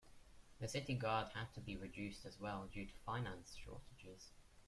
The city guard had to be reduced as well due to finance shortages.